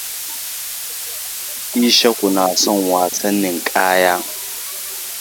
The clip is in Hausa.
Ba zan iya tuna hakikanin kalmomin ba.